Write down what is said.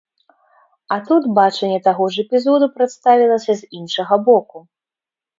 А тут бачанне таго ж эпізоду прадставілася з іншага боку.